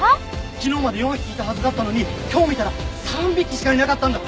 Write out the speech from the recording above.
昨日まで４匹いたはずだったのに今日見たら３匹しかいなかったんだって！